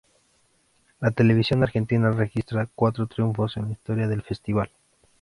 La televisión argentina registra cuatro triunfos en la historia del Festival.